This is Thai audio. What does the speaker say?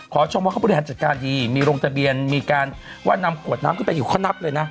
ชมว่าเขาบริหารจัดการดีมีลงทะเบียนมีการว่านำขวดน้ำขึ้นไปอยู่เขานับเลยนะ